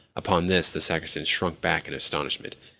Upon this the sacristan shrunk back in astonishment.